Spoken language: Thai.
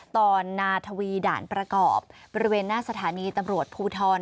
ตอนนาทวีด่านประกอบบริเวณหน้าสถานีตำรวจภูทร